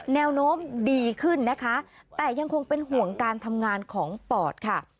แนวโน้มดีขึ้นนะคะแต่ยังคงเป็นห่วงการทำงานของปอดค่ะ